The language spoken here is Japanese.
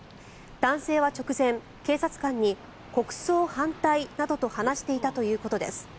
男性は直前、警察官に国葬反対などと話していたということです。